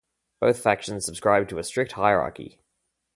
Both factions subscribe to a strict hierarchy.